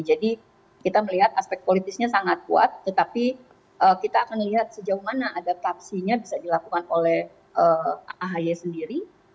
jadi kita melihat aspek politisnya sangat kuat tetapi kita akan melihat sejauh mana adaptasinya bisa dilakukan oleh ahy sendiri